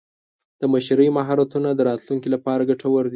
د مشرۍ مهارتونه د راتلونکي لپاره ګټور دي.